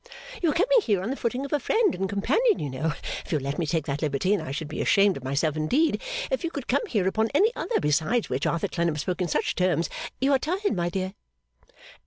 'You are coming here on the footing of a friend and companion you know if you will let me take that liberty and I should be ashamed of myself indeed if you could come here upon any other, besides which Arthur Clennam spoke in such terms you are tired my dear.